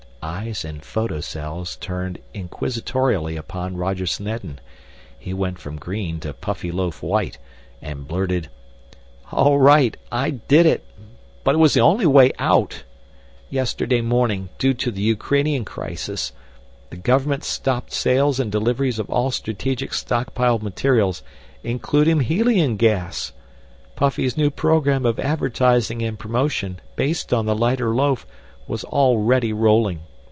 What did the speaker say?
Eyes and photocells turned inquisitorially upon Roger Snedden. He went from green to Puffyloaf white and blurted: "All right, I did it, but it was the only way out! Yesterday morning, due to the Ukrainian crisis, the government stopped sales and deliveries of all strategic stockpiled materials, including helium gas. Puffy's new program of advertising and promotion, based on the lighter loaf, was already rolling.